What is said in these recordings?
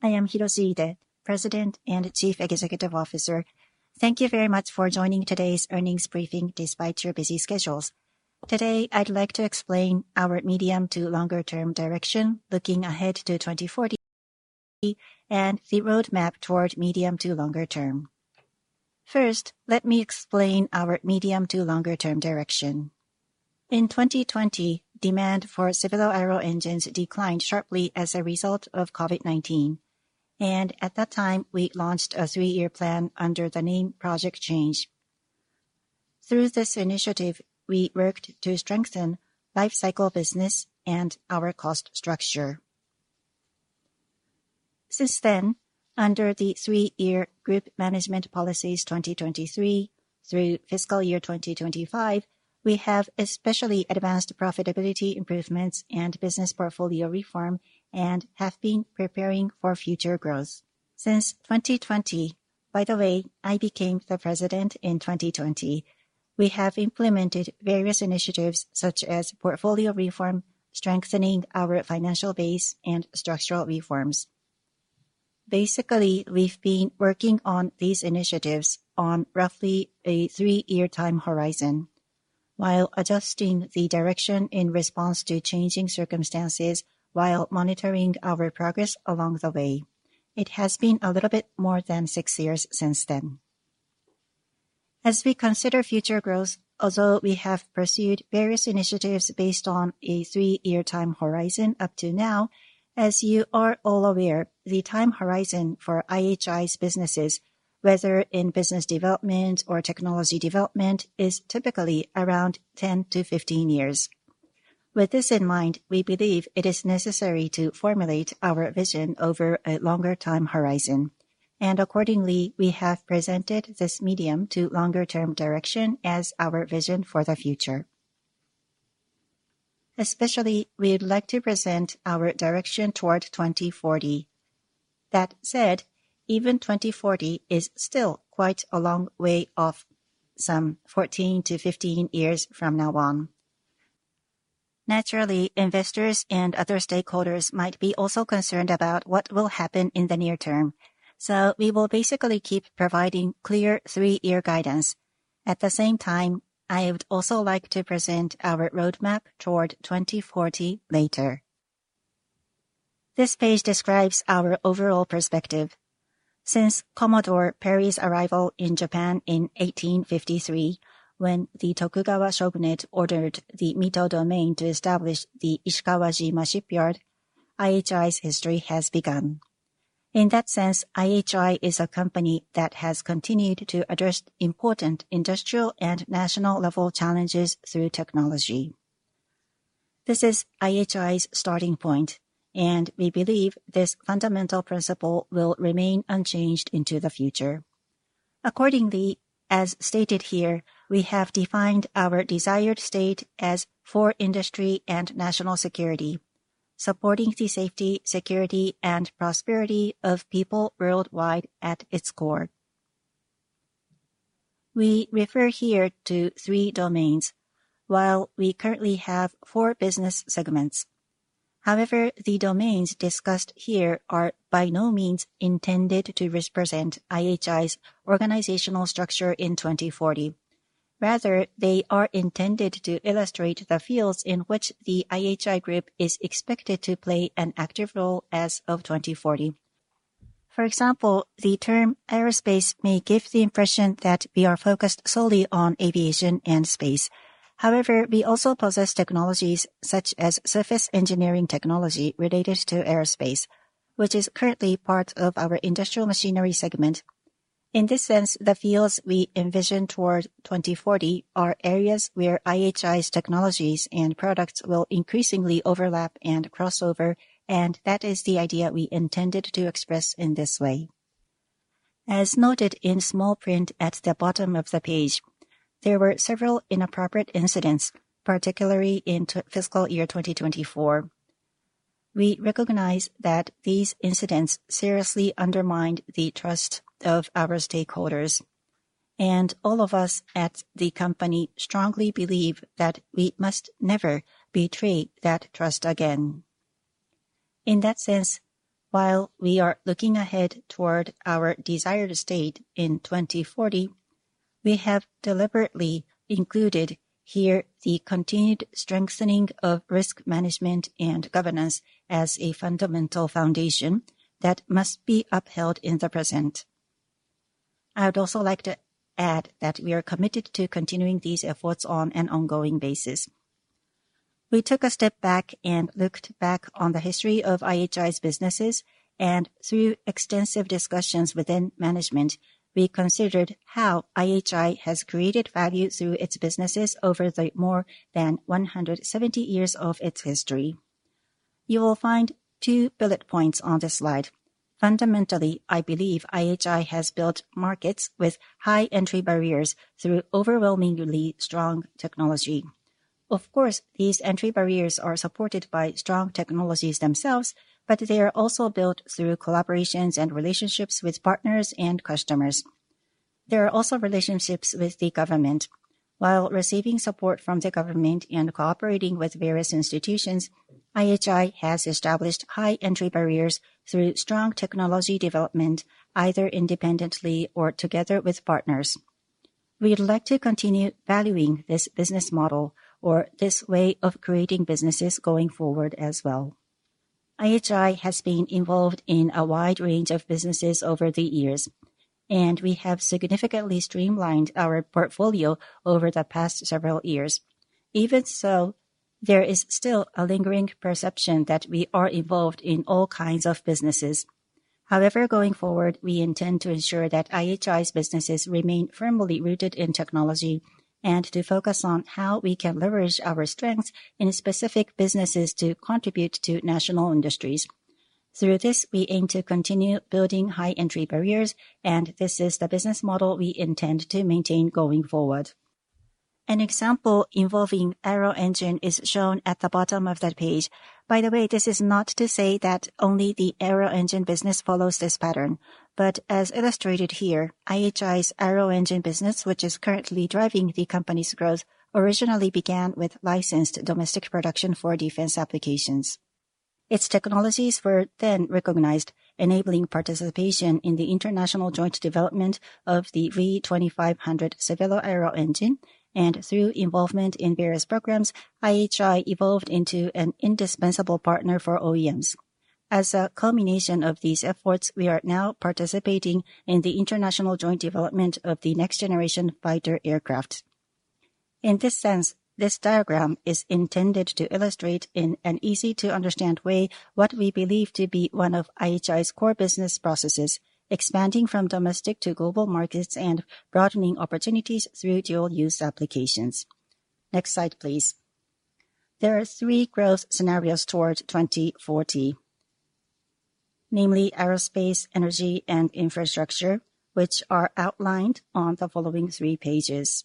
I am Hiroshi Ide, President and Chief Executive Officer. Thank you very much for joining today's earnings briefing despite your busy schedules. Today, I'd like to explain our medium to longer term direction, looking ahead to 2040, and the roadmap toward medium to longer term. First, let me explain our medium to longer term direction. In 2020, demand for civil aero engines declined sharply as a result of COVID-19. At that time, we launched a three-year plan under the name Project Change. Through this initiative, we worked to strengthen life cycle business and our cost structure. Since then, under the three-year Group Management Policies 2023 through fiscal year 2025, we have especially advanced profitability improvements and business portfolio reform and have been preparing for future growth. Since 2020, by the way, I became the president in 2020, we have implemented various initiatives such as portfolio reform, strengthening our financial base and structural reforms. Basically, we've been working on these initiatives on roughly a three-year time horizon while adjusting the direction in response to changing circumstances while monitoring our progress along the way. It has been a little bit more than six years since then. As we consider future growth, although we have pursued various initiatives based on a three-year time horizon up to now, as you are all aware, the time horizon for IHI's businesses, whether in business development or technology development, is typically around 10-15 years. With this in mind, we believe it is necessary to formulate our vision over a longer time horizon, and accordingly, we have presented this medium to longer term direction as our vision for the future. Especially, we would like to present our direction toward 2040. That said, even 2040 is still quite a long way off, some 14-15 years from now on. Naturally, investors and other stakeholders might be also concerned about what will happen in the near term. We will basically keep providing clear three-year guidance. At the same time, I would also like to present our roadmap toward 2040 later. This page describes our overall perspective. Since Commodore Perry's arrival in Japan in 1853, when the Tokugawa shogunate ordered the Mito domain to establish the Ishikawajima Shipyard, IHI's history has begun. In that sense, IHI is a company that has continued to address important industrial and national level challenges through technology. This is IHI's starting point, we believe this fundamental principle will remain unchanged into the future. Accordingly, as stated here, we have defined our desired state as for industry and national security, supporting the safety, security, and prosperity of people worldwide at its core. We refer here to three domains, while we currently have four business segments. The domains discussed here are by no means intended to represent IHI's organizational structure in 2040. They are intended to illustrate the fields in which the IHI Group is expected to play an active role as of 2040. The term aerospace may give the impression that we are focused solely on aviation and space. We also possess technologies such as surface engineering technology related to aerospace, which is currently part of our industrial machinery segment. In this sense, the fields we envision toward 2040 are areas where IHI's technologies and products will increasingly overlap and cross over, and that is the idea we intended to express in this way. As noted in small print at the bottom of the page, there were several inappropriate incidents, particularly in fiscal year 2024. We recognize that these incidents seriously undermined the trust of our stakeholders, and all of us at the company strongly believe that we must never betray that trust again. In that sense, while we are looking ahead toward our desired state in 2040, we have deliberately included here the continued strengthening of risk management and governance as a fundamental foundation that must be upheld in the present. I would also like to add that we are committed to continuing these efforts on an ongoing basis. We took a step back and looked back on the history of IHI's businesses, through extensive discussions within management, we considered how IHI has created value through its businesses over the more than 170 years of its history. You will find bullet points on this slide. Fundamentally, I believe IHI has built markets with high entry barriers through overwhelmingly strong technology. Of course, these entry barriers are supported by strong technologies themselves, but they are also built through collaborations and relationships with partners and customers. There are also relationships with the government. While receiving support from the government and cooperating with various institutions, IHI has established high entry barriers through strong technology development, either independently or together with partners. We would like to continue valuing this business model or this way of creating businesses going forward as well. IHI has been involved in a wide range of businesses over the years, and we have significantly streamlined our portfolio over the past several years. Even so, there is still a lingering perception that we are involved in all kinds of businesses. Going forward, we intend to ensure that IHI's businesses remain firmly rooted in technology and to focus on how we can leverage our strengths in specific businesses to contribute to national industries. Through this, we aim to continue building high entry barriers, and this is the business model we intend to maintain going forward. An example involving aero-engine is shown at the bottom of that page. By the way, this is not to say that only the aero-engine business follows this pattern. As illustrated here, IHI's aero-engine business, which is currently driving the company's growth, originally began with licensed domestic production for defense applications. Its technologies were recognized, enabling participation in the international joint development of the V2500 civil aero engines. Through involvement in various programs, IHI evolved into an indispensable partner for OEMs. As a culmination of these efforts, we are now participating in the international joint development of the next generation fighter aircraft. In this sense, this diagram is intended to illustrate in an easy-to-understand way what we believe to be one of IHI's core business processes, expanding from domestic to global markets and broadening opportunities through dual use applications. Next slide, please. There are three growth scenarios toward 2040, namely Aerospace, Energy, and Infrastructure, which are outlined on the following three pages.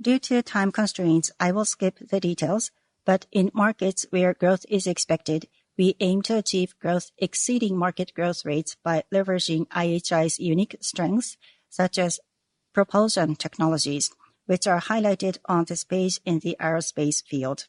Due to time constraints, I will skip the details, but in markets where growth is expected, we aim to achieve growth exceeding market growth rates by leveraging IHI's unique strengths, such as propulsion technologies, which are highlighted on this page in the Aerospace field.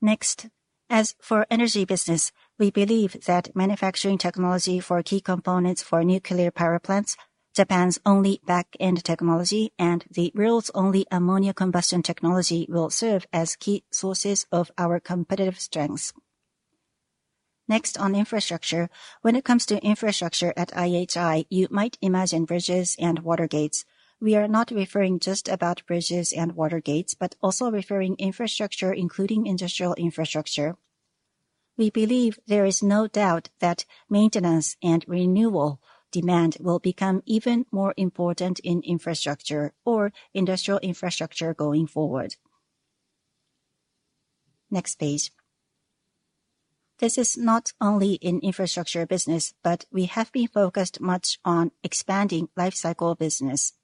Next, as for Energy business, we believe that manufacturing technology for key components for nuclear power plants, Japan's only back-end technology, and the world's only ammonia combustion technology will serve as key sources of our competitive strengths. Next, on Infrastructure. When it comes to Infrastructure at IHI, you might imagine bridges and water gates. We are not referring just about bridges and water gates, but also referring infrastructure, including Industrial Infrastructure. We believe there is no doubt that maintenance and renewal demand will become even more important in infrastructure or industrial infrastructure going forward. Next page. This is not only in Infrastructure business, but we have been focused much on expanding Lifecycle business.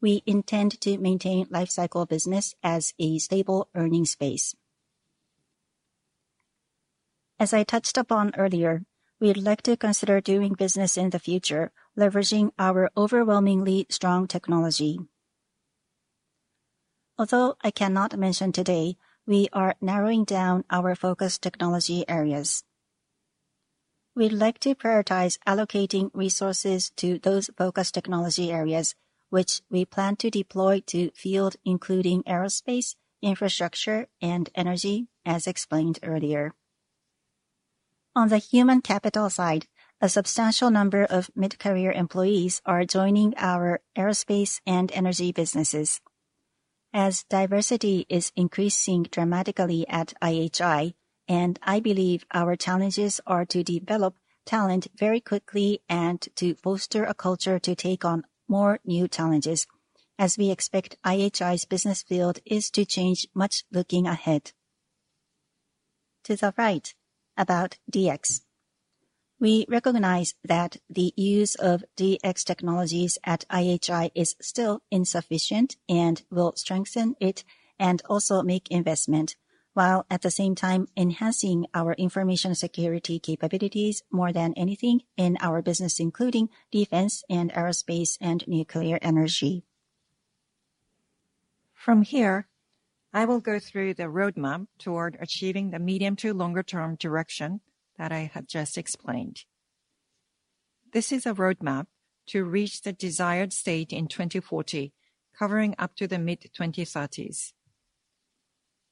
We intend to maintain Lifecycle business as a stable earning space. As I touched upon earlier, we would like to consider doing business in the future, leveraging our overwhelmingly strong technology. Although I cannot mention today, we are narrowing down our focus technology areas. We'd like to prioritize allocating resources to those focus technology areas, which we plan to deploy to field, including aerospace, infrastructure, and energy, as explained earlier. On the human capital side, a substantial number of mid-career employees are joining our aerospace and energy businesses. As diversity is increasing dramatically at IHI, and I believe our challenges are to develop talent very quickly and to foster a culture to take on more new challenges, as we expect IHI's business field is to change much looking ahead. To the right, about DX. We recognize that the use of DX technologies at IHI is still insufficient and will strengthen it and also make investment, while at the same time enhancing our information security capabilities more than anything in our business, including defense and aerospace and nuclear energy. From here, I will go through the roadmap toward achieving the medium to longer term direction that I have just explained. This is a roadmap to reach the desired state in 2040, covering up to the mid-2030s.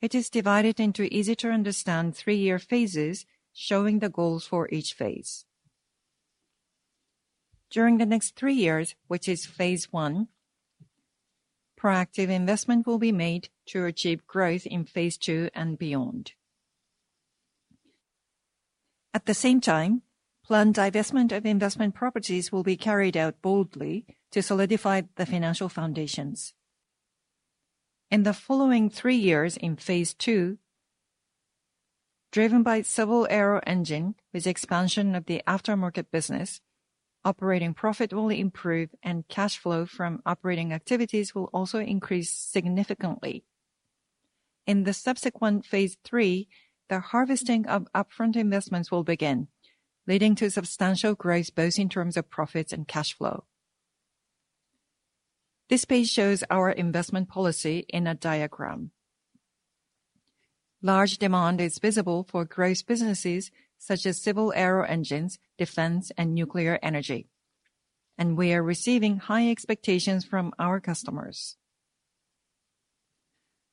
It is divided into easy to understand three-year phases showing the goals for each phase. During the next three years, which is phase I, proactive investment will be made to achieve growth in phase II and beyond. At the same time, planned divestment of investment properties will be carried out boldly to solidify the financial foundations. In the following three years in phase II, driven by civil aero-engine with expansion of the aftermarket business, operating profit will improve and cash flow from operating activities will also increase significantly. In the subsequent phase III, the harvesting of upfront investments will begin, leading to substantial growth both in terms of profits and cash flow. This page shows our investment policy in a diagram. Large demand is visible for growth businesses such as civil aero engines, defense, and nuclear energy, and we are receiving high expectations from our customers.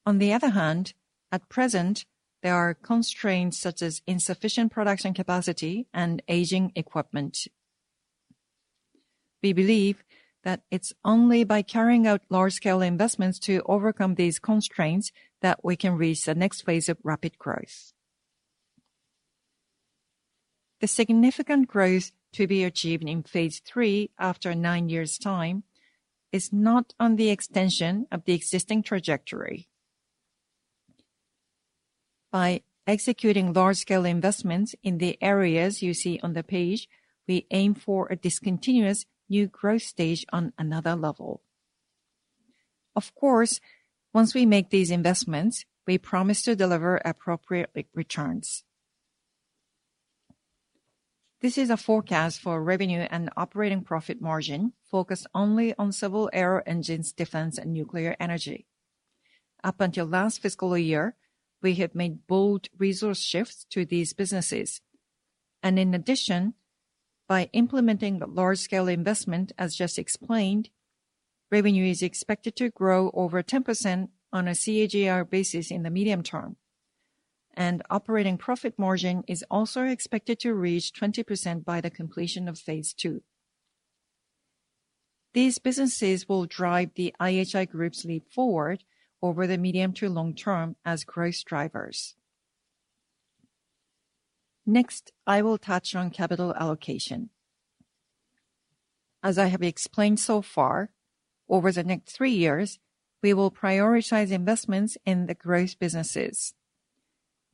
On the other hand, at present, there are constraints such as insufficient production capacity and aging equipment. We believe that it's only by carrying out large-scale investments to overcome these constraints that we can reach the next phase of rapid growth. The significant growth to be achieved in phase III after nin years' time is not on the extension of the existing trajectory. By executing large-scale investments in the areas you see on the page, we aim for a discontinuous new growth stage on another level. Of course, once we make these investments, we promise to deliver appropriate re-returns. This is a forecast for revenue and operating profit margin focused only on civil aero engines, defense, and nuclear energy. Up until last fiscal year, we have made bold resource shifts to these businesses. In addition, by implementing the large-scale investment, as just explained, revenue is expected to grow over 10% on a CAGR basis in the medium term. Operating profit margin is also expected to reach 20% by the completion of phase two. These businesses will drive the IHI Group's leap forward over the medium to long term as growth drivers. Next, I will touch on capital allocation. As I have explained so far, over the next three years, we will prioritize investments in the growth businesses.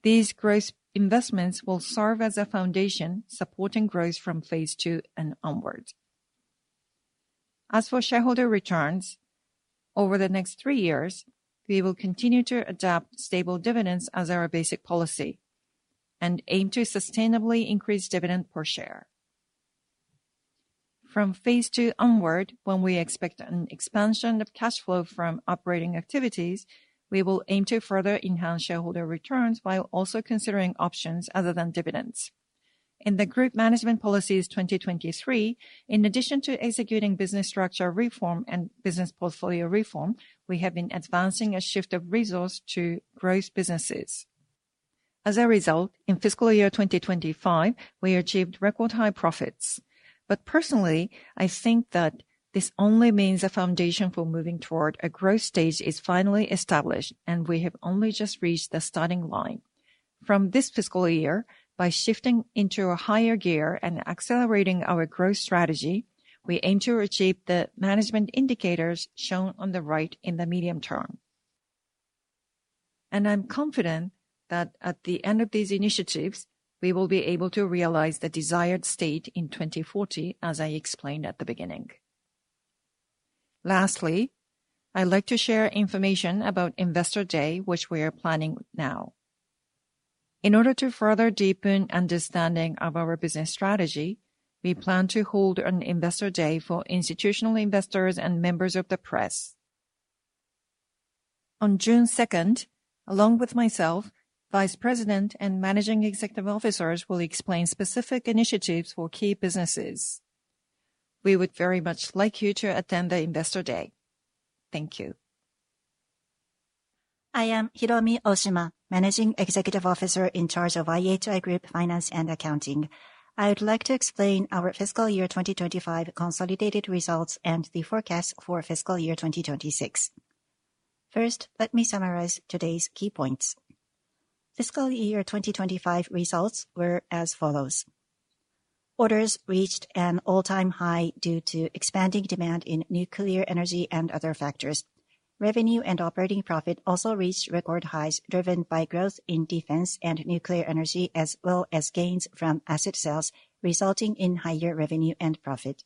These growth investments will serve as a foundation supporting growth from phase II and onwards. As for shareholder returns, over the next tjhree years, we will continue to adopt stable dividends as our basic policy and aim to sustainably increase dividend per share. From phase II onward, when we expect an expansion of cash flow from operating activities, we will aim to further enhance shareholder returns while also considering options other than dividends. In the Group Management Policies 2023, in addition to executing business structure reform and business portfolio reform, we have been advancing a shift of resource to growth businesses. As a result, in fiscal year 2025, we achieved record high profits. Personally, I think that this only means a foundation for moving toward a growth stage is finally established, and we have only just reached the starting line. From this fiscal year, by shifting into a higher gear and accelerating our growth strategy, we aim to achieve the management indicators shown on the right in the medium term. I'm confident that at the end of these initiatives, we will be able to realize the desired state in 2040, as I explained at the beginning. Lastly, I'd like to share information about Investor Day, which we are planning now. In order to further deepen understanding of our business strategy, we plan to hold an Investor Day for institutional investors and members of the press. On June 2, along with myself, vice president and managing executive officers will explain specific initiatives for key businesses. We would very much like you to attend the Investor Day. Thank you. I am Hiromi Oshima, Managing Executive Officer in charge of IHI Group Finance and Accounting. I would like to explain our fiscal year 2025 consolidated results and the forecast for fiscal year 2026. First, let me summarize today's key points. Fiscal year 2025 results were as follows. Orders reached an all-time high due to expanding demand in nuclear energy and other factors. Revenue and operating profit also reached record highs driven by growth in defense and nuclear energy, as well as gains from asset sales, resulting in higher revenue and profit.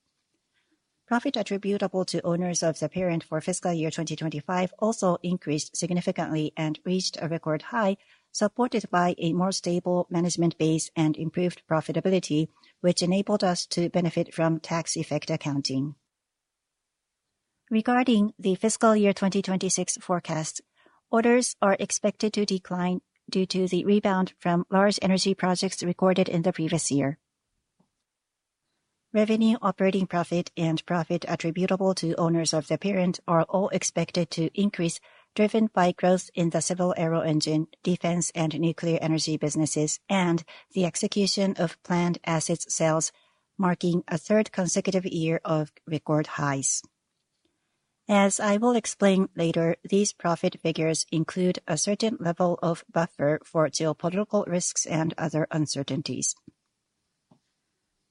Profit attributable to owners of the parent for fiscal year 2025 also increased significantly and reached a record high, supported by a more stable management base and improved profitability, which enabled us to benefit from tax effect accounting. Regarding the fiscal year 2026 forecast, orders are expected to decline due to the rebound from large energy projects recorded in the previous year. Revenue, operating profit, and profit attributable to owners of the parent are all expected to increase, driven by growth in the civil aero engine, defense, and nuclear energy businesses, and the execution of planned assets sales, marking a third consecutive year of record highs. As I will explain later, these profit figures include a certain level of buffer for geopolitical risks and other uncertainties.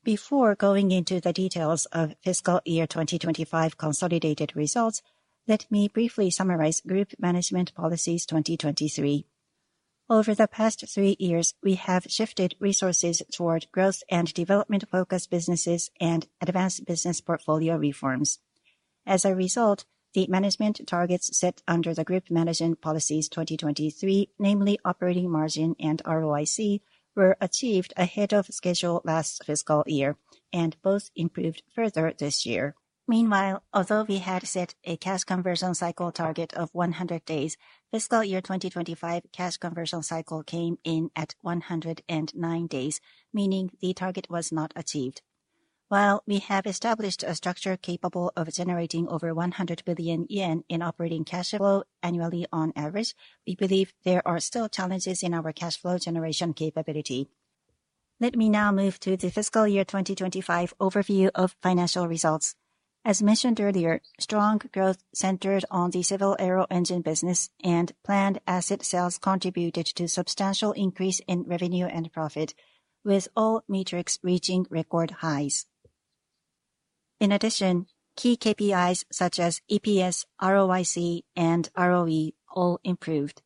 Before going into the details of fiscal year 2025 consolidated results, let me briefly summarize Group Management Policies 2023. Over the past three years, we have shifted resources toward growth and development-focused businesses and advanced business portfolio reforms. The management targets set under the Group Management Policies 2023, namely operating margin and ROIC, were achieved ahead of schedule last fiscal year, and both improved further this year. Although we had set a cash conversion cycle target of 100 days, fiscal year 2025 cash conversion cycle came in at 109 days, meaning the target was not achieved. While we have established a structure capable of generating over 100 billion yen in operating cash flow annually on average, we believe there are still challenges in our cash flow generation capability. Let me now move to the fiscal year 2025 overview of financial results. As mentioned earlier, strong growth centered on the civil aero engine business and planned asset sales contributed to substantial increase in revenue and profit, with all metrics reaching record highs. Key KPIs such as EPS, ROIC, and ROE all improved.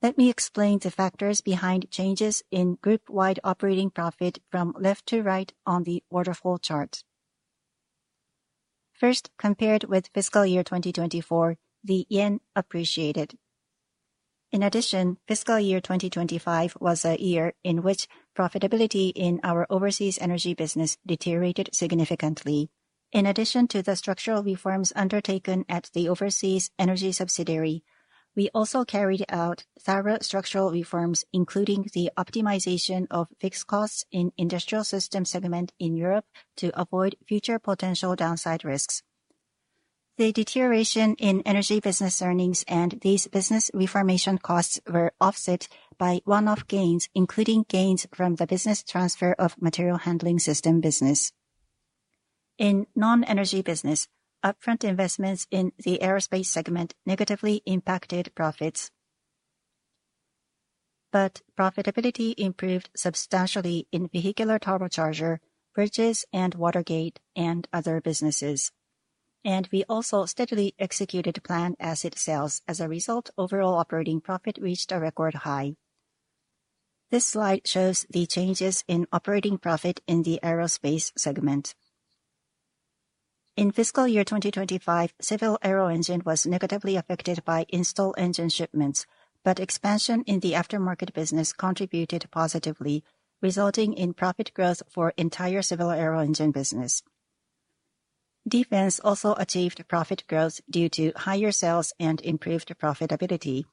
Let me explain the factors behind changes in group-wide operating profit from left to right on the waterfall chart. First, compared with fiscal year 2024, the yen appreciated. Fiscal year 2025 was a year in which profitability in our overseas energy business deteriorated significantly. In addition to the structural reforms undertaken at the overseas energy subsidiary, we also carried out thorough structural reforms, including the optimization of fixed costs in Industrial System segment in Europe to avoid future potential downside risks. The deterioration in Energy business earnings and these business reformation costs were offset by one-off gains, including gains from the business transfer of Material Handling system business. In non-energy business, upfront investments in the Aerospace segment negatively impacted profits. Profitability improved substantially in vehicular turbocharger, bridges and water gate, and other businesses. We also steadily executed planned asset sales. As a result, overall operating profit reached a record high. This slide shows the changes in operating profit in the Aerospace segment. In fiscal year 2025, civil aero engine was negatively affected by installed engine shipments, but expansion in the aftermarket business contributed positively, resulting in profit growth for entire civil aero engine business. Defense also achieved profit growth due to higher sales and improved profitability.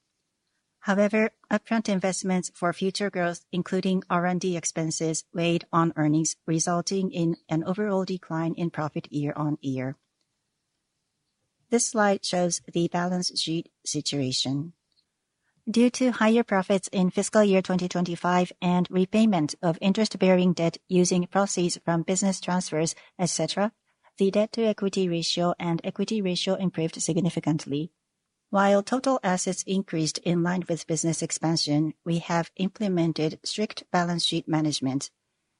However, upfront investments for future growth, including R&D expenses, weighed on earnings, resulting in an overall decline in profit year-on-year. This slide shows the balance sheet situation. Due to higher profits in fiscal year 2025 and repayment of interest-bearing debt using proceeds from business transfers, et cetera, the debt to equity ratio and equity ratio improved significantly. While total assets increased in line with business expansion, we have implemented strict balance sheet management.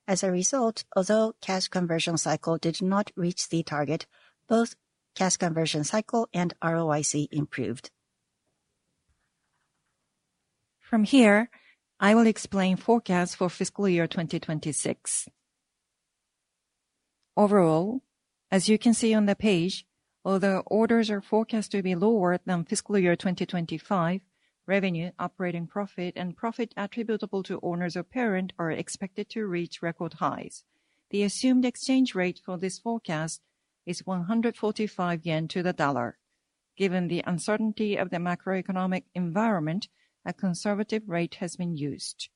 As a result, although cash conversion cycle did not reach the target, both cash conversion cycle and ROIC improved. From here, I will explain forecast for fiscal year 2026. Overall, as you can see on the page, although orders are forecast to be lower than fiscal year 2025, revenue, operating profit, and profit attributable to owners of parent are expected to reach record highs. The assumed exchange rate for this forecast is 145 yen to the dollar. Given the uncertainty of the macroeconomic environment, a conservative rate has been used.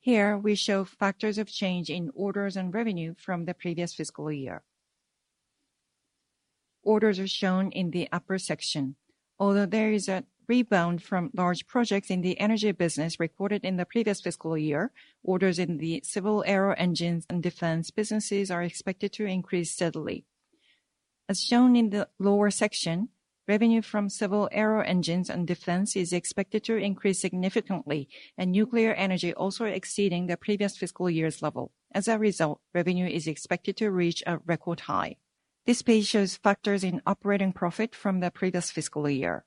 Here we show factors of change in orders and revenue from the previous fiscal year. Orders are shown in the upper section. Although there is a rebound from large projects in the energy business recorded in the previous fiscal year, orders in the civil aero engines and defense businesses are expected to increase steadily. As shown in the lower section, revenue from civil aero engines and defense is expected to increase significantly, and nuclear energy also exceeding the previous fiscal year's level. As a result, revenue is expected to reach a record high. This page shows factors in operating profit from the previous fiscal year.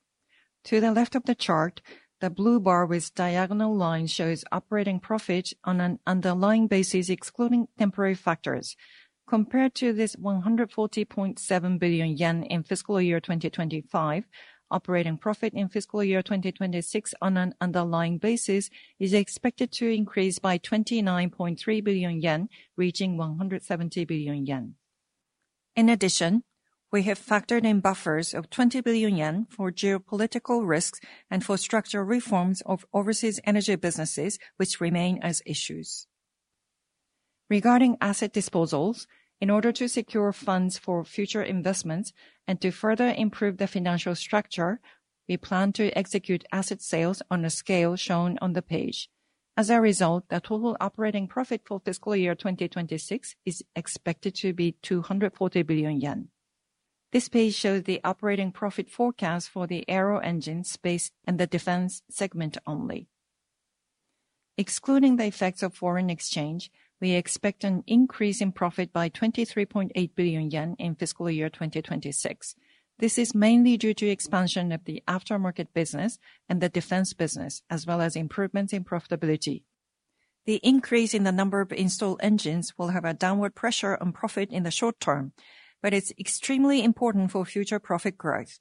To the left of the chart, the blue bar with diagonal line shows operating profit on an underlying basis, excluding temporary factors. Compared to this 140.7 billion yen in fiscal year 2025, operating profit in fiscal year 2026 on an underlying basis is expected to increase by 29.3 billion yen, reaching 170 billion yen. We have factored in buffers of 20 billion yen for geopolitical risks and for structural reforms of overseas energy businesses, which remain as issues. Regarding asset disposals, in order to secure funds for future investments and to further improve the financial structure, we plan to execute asset sales on a scale shown on the page. As a result, the total operating profit for fiscal year 2026 is expected to be 240 billion yen. This page shows the operating profit forecast for the aero engine space and the defense segment only. Excluding the effects of foreign exchange, we expect an increase in profit by 23.8 billion yen in fiscal year 2026. This is mainly due to expansion of the aftermarket business and the defense business, as well as improvements in profitability. The increase in the number of installed engines will have a downward pressure on profit in the short term, but it's extremely important for future profit growth.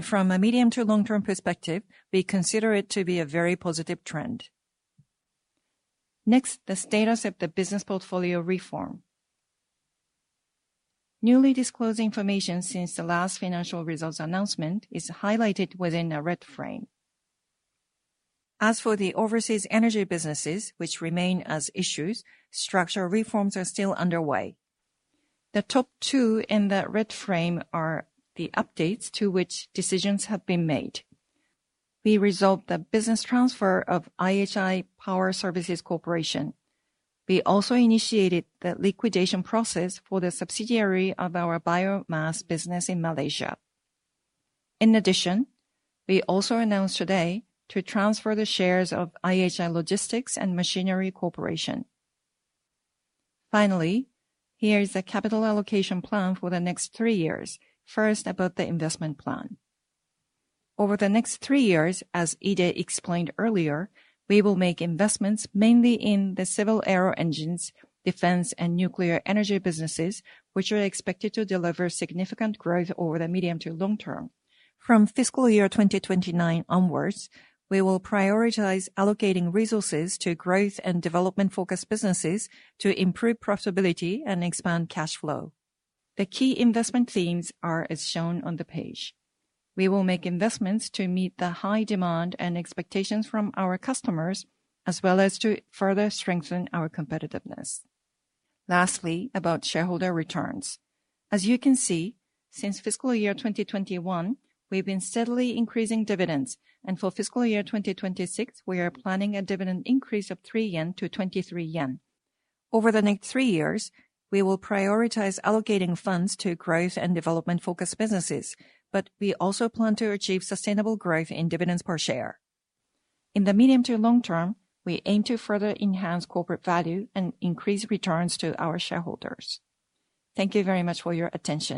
From a medium to long-term perspective, we consider it to be a very positive trend. Next, the status of the business portfolio reform. Newly disclosed information since the last financial results announcement is highlighted within a red frame. As for the overseas energy businesses which remain as issues, structural reforms are still underway. The top 2 in the red frame are the updates to which decisions have been made. We resolved the business transfer of IHI Power Services Corp. We also initiated the liquidation process for the subsidiary of our biomass business in Malaysia. In addition, we also announced today to transfer the shares of IHI Logistics & Machinery Corporation. Finally, here is the capital allocation plan for the next three years. First, about the investment plan. Over the next three years, as Ide explained earlier, we will make investments mainly in the civil aero engines, defense, and nuclear energy businesses, which are expected to deliver significant growth over the medium to long term. From fiscal year 2029 onwards, we will prioritize allocating resources to growth and development-focused businesses to improve profitability and expand cash flow. The key investment themes are as shown on the page. We will make investments to meet the high demand and expectations from our customers, as well as to further strengthen our competitiveness. About shareholder returns. As you can see, since fiscal year 2021, we've been steadily increasing dividends, and for fiscal year 2026, we are planning a dividend increase of 3 yen to 23 yen. Over the next three years, we will prioritize allocating funds to growth and development-focused businesses. We also plan to achieve sustainable growth in dividends per share. In the medium to long term, we aim to further enhance corporate value and increase returns to our shareholders. Thank you very much for your attention.